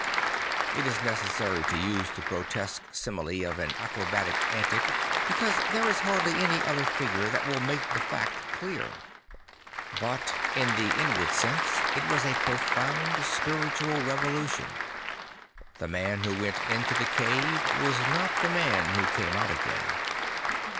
I t is necessary to use the grotesque simile of an acrobatic antic, because there is hardly any other figure that ,viII make the fact clear. But in the inward sense it was a profound spiritual revolu tion. The man who went into the cave was not the man who came out again; in th3.